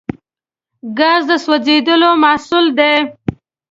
ګاز د سوځیدلو محصول دی.